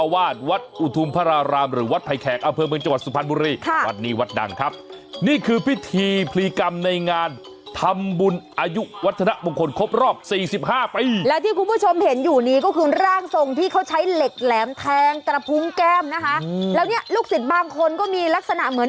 วาดวัดอุทุมพระรารามหรือวัดไผแขกอำเภอเมืองจังหวัดสุพรรณบุรีค่ะวัดนี้วัดดังครับนี่คือพิธีพลีกรรมในงานทำบุญอายุวัฒนมงคลครบรอบสี่สิบห้าปีแล้วที่คุณผู้ชมเห็นอยู่นี้ก็คือร่างทรงที่เขาใช้เหล็กแหลมแทงกระพุงแก้มนะคะแล้วเนี่ยลูกศิษย์บางคนก็มีลักษณะเหมือน